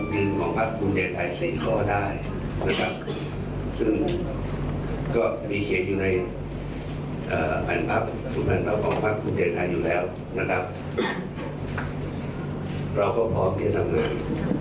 เราก็พร้อมที่จะทำงาน